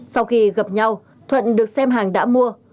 sau khi gặp nhau thuận được xem hàng đã mua